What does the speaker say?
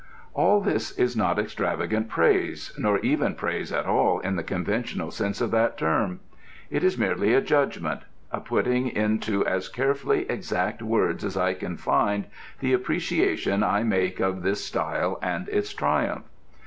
All this is not extravagant praise, nor even praise at all in the conventional sense of that term. It is merely a judgment: a putting into as carefully exact words as I can find the appreciation I make of this style and its triumph.